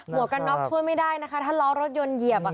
หัวกระน๊อบทวนไม่ได้นะคะถ้าล้อรถยนต์เหยียบอะค่ะ